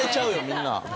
みんな。